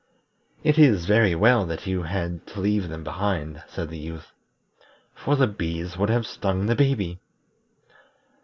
"It is very well that you had to leave them behind," said the Youth, "for the bees would have stung the baby."